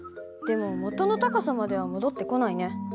でも元の高さまでは戻ってこないね。